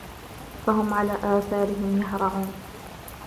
فَهُمْ عَلَى آثَارِهِمْ يُهْرَعُونَ